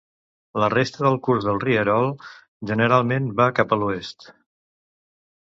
La resta del curs del rierol generalment va cap a l'oest.